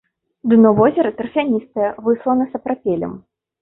Дно возера тарфяністае, выслана сапрапелем.